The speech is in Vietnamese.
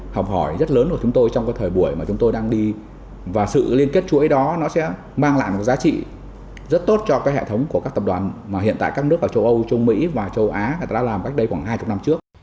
hệ thống trang trại này có giá trị rất tốt cho các hệ thống của các tập đoàn mà hiện tại các nước ở châu âu châu mỹ và châu á đã làm cách đây khoảng hai mươi năm trước